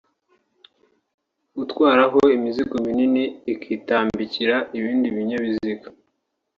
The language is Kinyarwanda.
gutwaraho imizigo minini ikitambikira ibindi binyabiziga